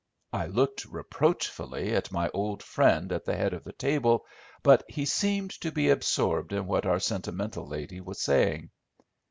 I looked reproachfully at my old friend at the head of the table, but he seemed to be absorbed in what our sentimental lady was saying.